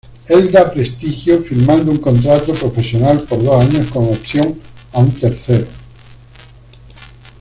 Elda Prestigio, firmando un contrato profesional por dos años con opción a un tercero.